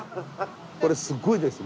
これすごいです。